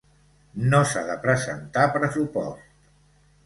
No s'ha de presentar pressupost.